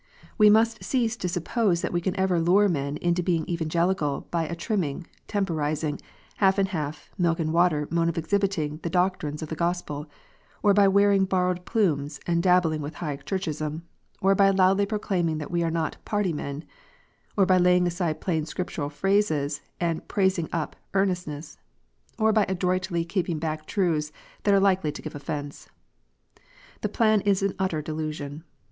We must cease to suppose that we can ever lure men into being Evangelical by a trimming, temporizing, half and half, milk and water mode of exhibiting the doctrines of the Gospel, or by wearing borrowed plumes, and dabbling with High Churchism, or by loudly proclaiming that we are not "party men," or by laying aside plain Scriptural phrases, and praising up " earnestness," or by adroitly keeping back truths that are likely to give offence. The plan is an utter delusion.